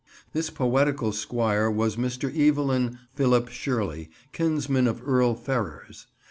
This poetical squire was Mr. Evelyn Philip Shirley, kinsman of Earl Ferrers.